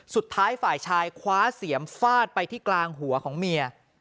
สุดท้ายฝ่ายชายคว้าเสียมฟาดไปที่กลางหัวของเมีย